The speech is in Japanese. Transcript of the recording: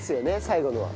最後のは。